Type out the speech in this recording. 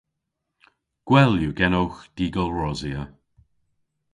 Gwell yw genowgh vy dy'gol rosya.